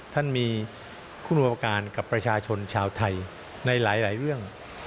ท่านมีคุณประการกับประชาชนชาวไทยในหลายเรื่อง